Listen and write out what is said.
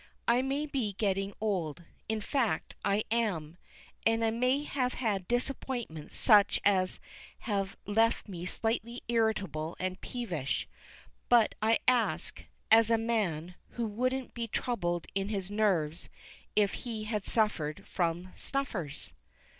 I may be getting old, in fact, I am; and I may have had disappointments such as have left me slightly irritable and peevish; but I ask, as a man, who wouldn't be troubled in his nerves if he had suffered from snuffers?